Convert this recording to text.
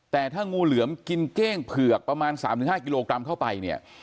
แต่ถ้างูเหลือมกินเก้งเผือกประมาณ๓๕กิโลกรัมเข้าไปเนี่ย